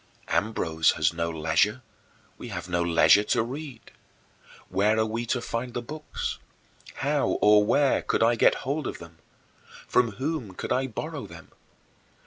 Ambrose has no leisure we have no leisure to read. Where are we to find the books? How or where could I get hold of them? From whom could I borrow them?